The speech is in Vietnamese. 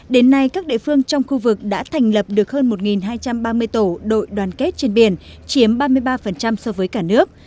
đến nay các địa phương trong khu vực đã thành lập được hơn một hai trăm ba mươi tổ đội đoàn kết trên biển chiếm ba mươi ba so với cả nước